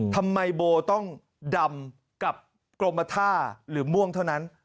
ทำไมโบต้องดำกับกรมท่าหรือม่วงเท่านั้น